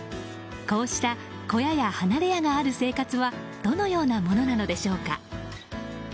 こうした小屋や離れ家がある生活はどのようなものなのでしょうか。